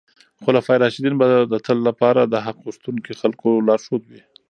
خلفای راشدین به د تل لپاره د حق غوښتونکو خلکو لارښود وي.